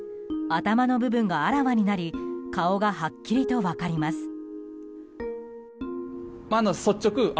頭の部分があらわになり顔がはっきりと分かります。